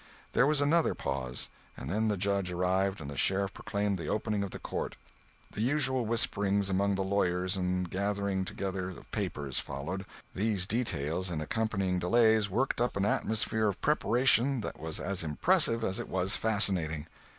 There was another pause, and then the judge arrived and the sheriff proclaimed the opening of the court. The usual whisperings among the lawyers and gathering together of papers followed. These details and accompanying delays worked up an atmosphere of preparation that was as impressive as it was fascinating.